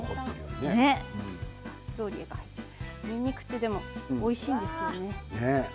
にんにくっておいしいんですよね。